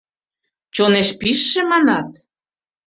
— Чонеш пижше, манат?